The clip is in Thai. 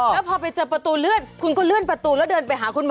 แล้วพอไปเจอประตูเลื่อนคุณก็เลื่อนประตูแล้วเดินไปหาคุณหมอ